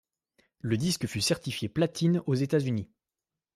Le disque fut certifié platine aux États-Unis.